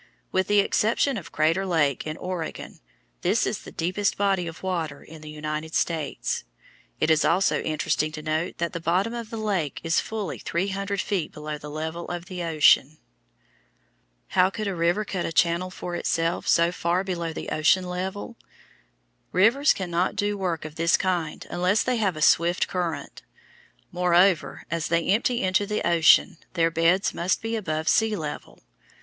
With the exception of Crater Lake, in Oregon, this is the deepest body of water in the United States. It is also interesting to note that the bottom of the lake is fully three hundred feet below the level of the ocean. How could a river cut a channel for itself so far below the ocean level? Rivers cannot do work of this kind unless they have a swift current; moreover, as they empty into the ocean, their beds must be above sea level.